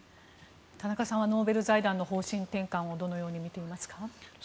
田中さんはノーベル財団の方針転換をどのように見ていますか。